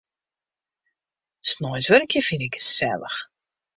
Sneins wurkje fyn ik gesellich.